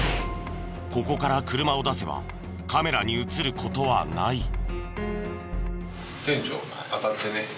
ここから車を出せばカメラに映る事はない。